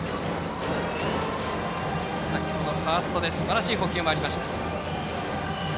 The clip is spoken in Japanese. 先程、ファーストですばらしい捕球もありました。